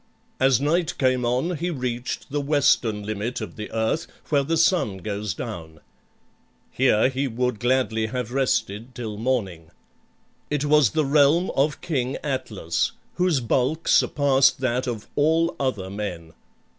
As night came on, he reached the western limit of the earth, where the sun goes down. Here he would gladly have rested till morning. It was the realm of King Atlas, whose bulk surpassed that of all other men.